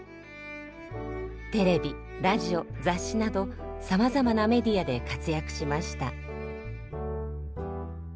テレビラジオ雑誌などさまざまなメディアで活躍しました。